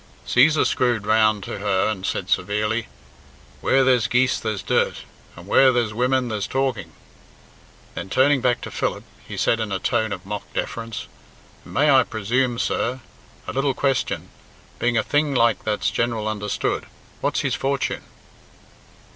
Cæsar screwed round to her and said severely, "Where there's geese there's dirt, and where there's women there's talking." Then turning back to Philip, he said in a tone of mock deference, "And may I presume, sir a little question being a thing like that's general understood what's his fortune?"